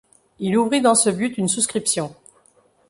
Il ouvrit dans ce but une souscription.